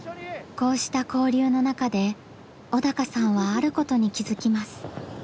こうした交流の中で小鷹さんはあることに気付きます。